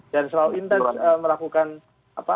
dan selalu intens melakukan apa